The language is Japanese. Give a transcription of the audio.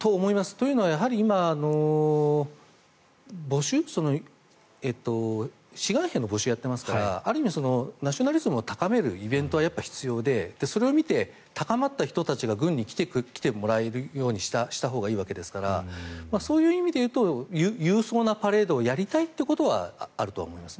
というのはやはり今、募集志願兵の募集をやっていますからある種、ナショナリズムを高めるイベントは必要でそれを見て高まった人たちが軍に来てもらえるようにしたほうがいいわけですからそういう意味で言うと勇壮なパレードをやりたいということはあると思います。